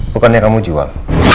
bukannya kamu jual